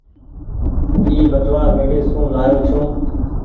اي ٻٽوآ ميڙي سون لآيو ڇون ۔